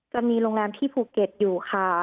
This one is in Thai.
จะมีโรงแรมที่ภูเก็ตอยู่ค่ะ